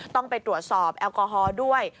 ต้องไปตรวจสอบแอลกอฮอล์ด้วย